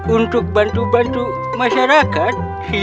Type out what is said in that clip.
untuk bantu bantu masyarakat